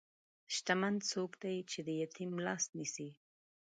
شتمن څوک دی چې د یتیم لاس نیسي.